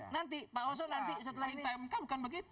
nanti pak oso nanti setelah ini